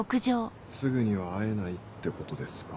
すぐには会えないってことですか。